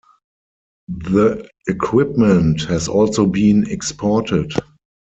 The equipment has also been exported.